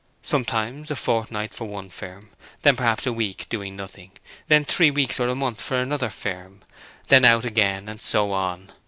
Sometimes a fortnight for one firm; then perhaps a week doing nothing; then three weeks or a month for another firm, then out again, and so on.